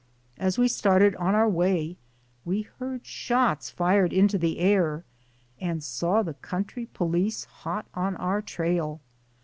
As we started on our way we heard shots fired into the air and saw the country police hot on our trail.